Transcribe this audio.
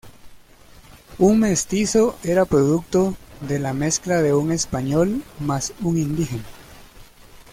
Un "mestizo" era producto de la mezcla de un español más un indígena.